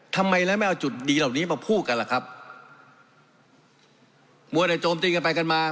ทำไมแล้วไม่เอาจุดดีเหล่านี้มาพูดกันล่ะครับมัวแต่โจมตีกันไปกันมา